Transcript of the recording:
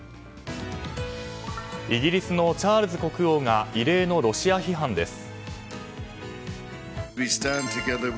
イギリスのチャールズ国王が異例のロシア批判です。